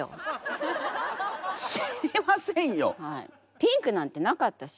ピンクなんてなかったし！